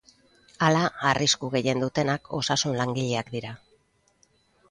Hala, arrisku gehien dutenak osasun-langileak dira.